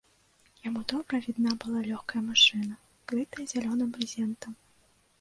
Яму добра відна была лёгкая машына, крытая зялёным брызентам.